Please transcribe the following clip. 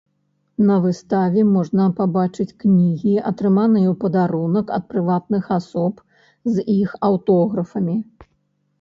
На выставе можна пабачыць кнігі, атрыманыя ў падарунак ад прыватных асоб з іх аўтографамі.